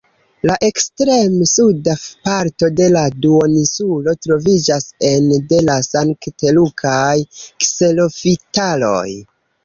La ekstrem-suda parto de la duoninsulo troviĝas ene de la sankt-lukaj kserofitaroj.